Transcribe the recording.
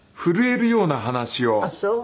あっそう。